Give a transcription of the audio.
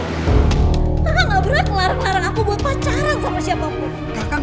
kakak gak pernah ngelarang ngelarang aku buat pacaran sama siapapun